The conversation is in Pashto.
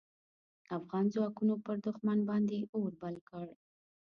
افغان ځواکونو پر دوښمن باندې اور بل کړ.